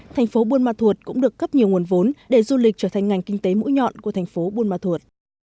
thành phố buôn ma thuột cũng được cấp nhiều nguồn vốn để du lịch trở thành ngành kinh tế mũi nhọn của thành phố buôn ma thuột